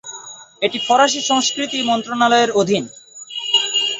এটি ফরাসি সংস্কৃতি মন্ত্রণালয়ের অধীন।